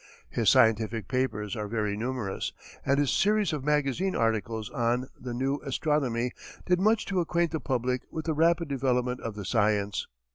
His scientific papers are very numerous and his series of magazine articles on "The New Astronomy" did much to acquaint the public with the rapid development of the science.